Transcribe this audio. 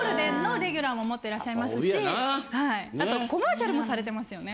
あとコマーシャルもされてますよね。